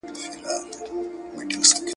د څښتن هسک پلار او زوی